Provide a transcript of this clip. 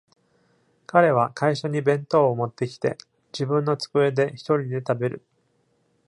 彼は会社に弁当を持ってきて、自分の机で一人で食べる。